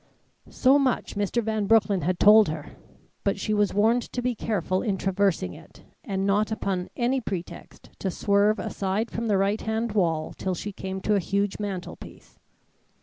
So much Mr. Van Broecklyn had told her, but she was warned to be careful in traversing it and not upon any pretext to swerve aside from the right hand wall till she came to a huge mantelpiece.